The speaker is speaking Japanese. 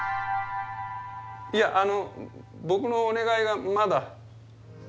いやあの僕のお願いがまだ。